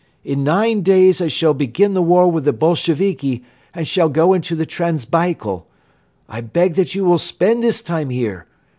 In nine days I shall begin the war with the Bolsheviki and shall go into the Transbaikal. I beg that you will spend this time here.